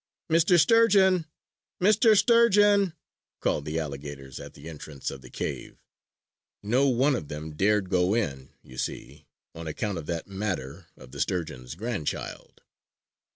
"Mr. Sturgeon! Mr. Sturgeon!" called the alligators at the entrance of the cave. No one of them dared go in, you see, on account of that matter of the sturgeon's grandchild.